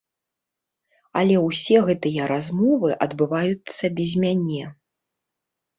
Але ўсе гэтыя размовы адбываюцца без мяне.